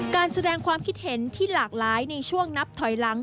การแสดงความคิดเห็นที่หลากหลายในช่วงนับถอยหลัง